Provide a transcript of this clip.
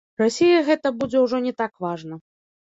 Расіі гэта будзе ўжо не так важна.